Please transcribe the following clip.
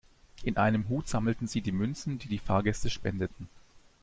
In einem Hut sammelten Sie die Münzen, die die Fahrgäste spendeten.